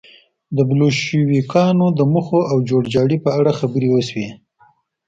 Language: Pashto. د بلشویکانو د موخو او جوړجاړي په اړه خبرې وشوې